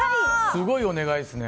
すごいお願いですね。